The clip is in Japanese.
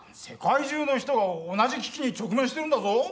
世界中の人が同じ危機に直面してるんだぞ？